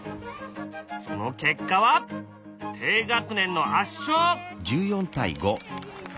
その結果は低学年の圧勝！